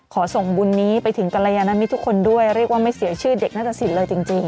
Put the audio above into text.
ส่งบุญนี้ไปถึงกรยานมิตรทุกคนด้วยเรียกว่าไม่เสียชื่อเด็กนาฏศิลปเลยจริง